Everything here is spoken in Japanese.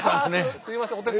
すいません。